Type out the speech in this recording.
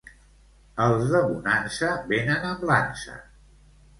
Els de Bonansa, venen amb l'ansa.